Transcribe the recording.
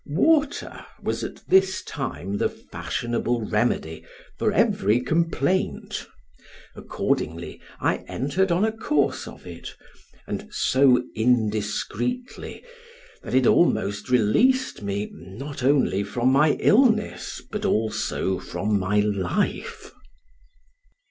Water was at this time the fashionable remedy for every complaint; accordingly I entered on a course of it, and so indiscreetly, that it almost released me, not only from my illness but also from my life.